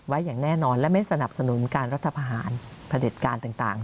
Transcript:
อย่างแน่นอนและไม่สนับสนุนการรัฐพาหารพระเด็จการต่าง